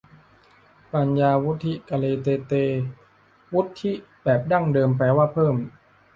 ปัญญาวุฑฒิ กะเรเตเต วุฑฒิ สะกดแบบดั้งเดิมแปลว่าเพิ่ม